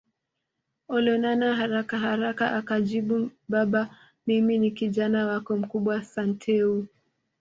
Olonana harakaharaka akajibu Baba mimi ni Kijana wako mkubwa Santeu